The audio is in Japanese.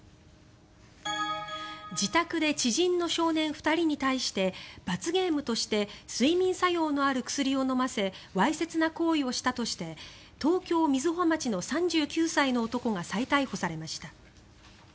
自宅で知人の少年２人に対して罰ゲームとして睡眠作用のある薬を飲ませわいせつな行為をしたとして東京・瑞穂町の３９歳の男が再逮捕されました。